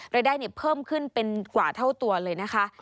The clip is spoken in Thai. ได้เพิ่มขึ้นเป็นกว่าเท่าตัวเลยนะคะ